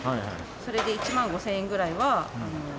それで１万５０００円ぐらいは。